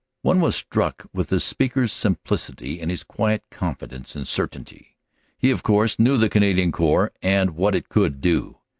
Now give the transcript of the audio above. One was struck with the speaker s simplicity and his quiet confidence and certainty. He, of course, knew the Canadian Corps and what it could do.